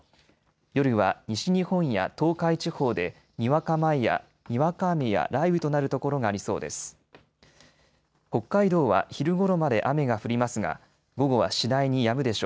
夜は西日本や東海地方でにわか雨や雷雨となる所がありそうです。